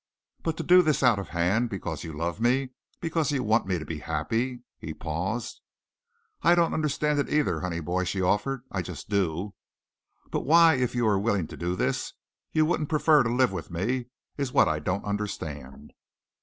"But to do this out of hand, because you love me, because you want me to be happy!" he paused. "I don't understand it either, honey boy," she offered, "I just do." "But why, if you are willing to do this, you wouldn't prefer to live with me, is what I don't understand."